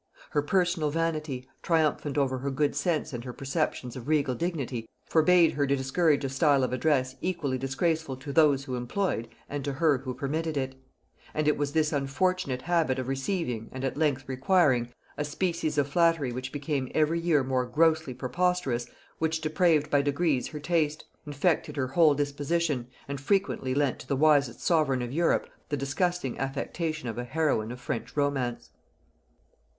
Her personal vanity, triumphant over her good sense and her perceptions of regal dignity, forbade her to discourage a style of address equally disgraceful to those who employed and to her who permitted it; and it was this unfortunate habit of receiving, and at length requiring, a species of flattery which became every year more grossly preposterous, which depraved by degrees her taste, infected her whole disposition, and frequently lent to the wisest sovereign of Europe the disgusting affectation of a heroine of French romance.